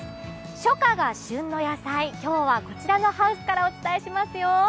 初夏が旬の野菜、今日はこちらのハウスからお伝えしますよ。